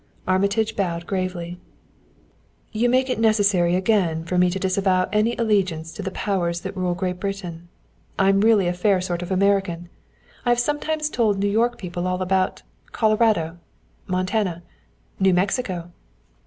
Armitage bowed gravely. "You make it necessary again for me to disavow any allegiance to the powers that rule Great Britain. I'm really a fair sort of American I have sometimes told New York people all about Colorado Montana New Mexico!"